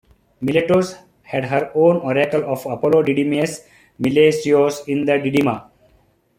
Miletos had her own oracle of Apollo Didymeus Milesios in Didyma.